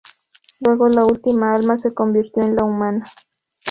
Luego la última alma se convirtió en la humana.